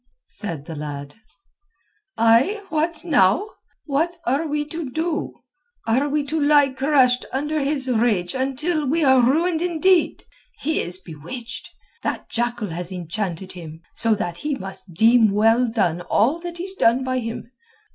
said the lad. "Ay, what now? What are we to do? Are we to lie crushed under his rage until we are ruined indeed? He is bewitched. That jackal has enchanted him, so that he must deem well done all that is done by him.